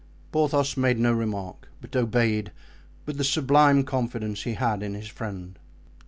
Porthos made no remark, but obeyed, with the sublime confidence he had in his friend.